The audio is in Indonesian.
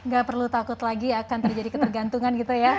gak perlu takut lagi akan terjadi ketergantungan gitu ya